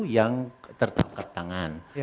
yang tertangkap tangan